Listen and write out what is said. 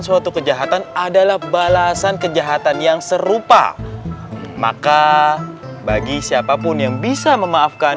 suatu kejahatan adalah balasan kejahatan yang serupa maka bagi siapapun yang bisa memaafkan